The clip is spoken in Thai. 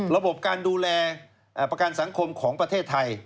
ระบบการดูแลประกันสังคมของประเทศไทย